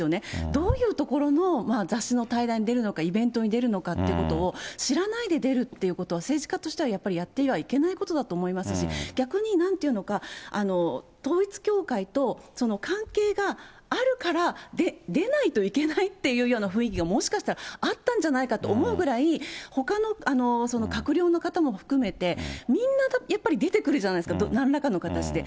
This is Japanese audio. どういう所の雑誌の対談に出るのか、イベントに出るのかということを知らないで出るってことは、政治家としてはやっぱりやってはいけないことだと思いますし、逆になんて言うのか、統一教会と関係があるからでないといけないというような雰囲気がもしかしたらあったんじゃないかと思うぐらい、ほかの閣僚の方も含めて、みんなやっぱり出てくるじゃないですか、なんらかの形で。